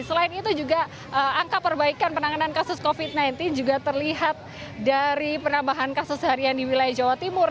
selain itu juga angka perbaikan penanganan kasus covid sembilan belas juga terlihat dari penambahan kasus harian di wilayah jawa timur